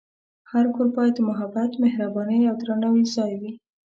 هر کور باید د محبت، مهربانۍ، او درناوي ځای وي.